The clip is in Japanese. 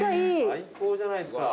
最高じゃないですか。